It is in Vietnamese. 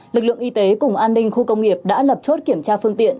lực lượng y tế cùng an ninh khu công nghiệp đã lập chốt kiểm tra phương tiện